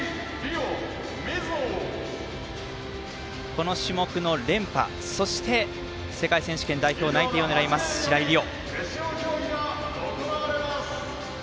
この種目の連覇そして、世界選手権代表内定を狙います、白井璃緒。